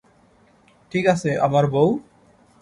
ঠিকাছে, আমার বউ?